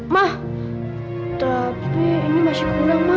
ma tapi ini masih kurang ma